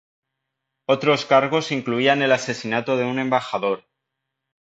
Otros cargos incluían el asesinato de un embajador.